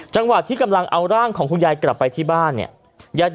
จังหวะที่กำลังเอาร่างของคุณยายกลับไปที่บ้านเนี่ย